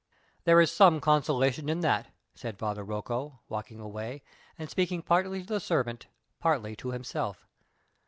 "There is some consolation in that," said Father Rocco, walking away, and speaking partly to the servant, partly to himself.